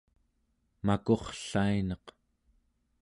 makurrlainaq